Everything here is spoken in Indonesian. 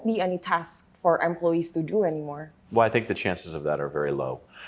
jadi apa yang bisa kita katakan bahwa beberapa tahun ke depan tidak akan ada tugas untuk pekerjaan lagi